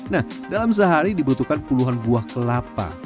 nah dalam sehari dibutuhkan puluhan buah kelapa